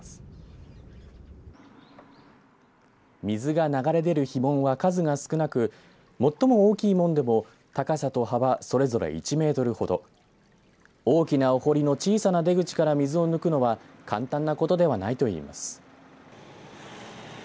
水が流れ出る樋門は数が少なく最も大きい門でも高さと幅それぞれ１メートルほど大きなお堀の小さな出口から水を抜くのは簡単なことではないといいます。